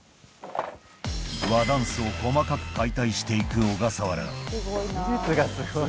和ダンスを細かく解体して行く小笠原技術がすごい。